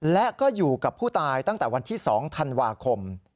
และก็อยู่กับผู้ตายตั้งแต่วันที่๒ธันวาคม